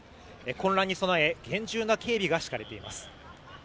混乱に備え厳重な警備が敷かれています。